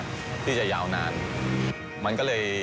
ค่อนข้างที่จะยาวนานมันก็เลย